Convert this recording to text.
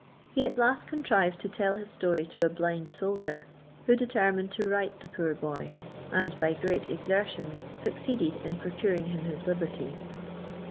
He at last contrived to tell his story tfj a blind soldier, who determined to right the poor boy, and by grettt I'^xriivM succeeded in procuring him his liberty."